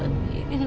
aku di rumah